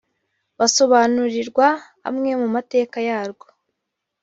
basobanurirwa amwe mu mateka yarwo